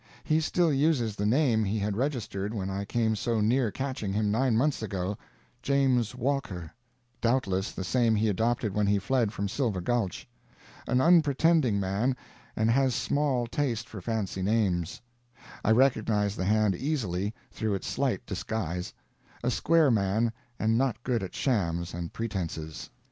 He still uses the name he had registered when I came so near catching him nine months ago "James Walker"; doubtless the same he adopted when he fled from Silver Gulch. An unpretending man, and has small taste for fancy names. I recognized the hand easily, through its slight disguise. A square man, and not good at shams and pretenses.